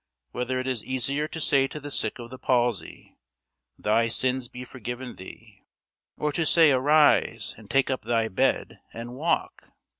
Whether is it easier to say to the sick of the palsy, Thy sins be forgiven thee; or to say, Arise, and take up thy bed, and walk?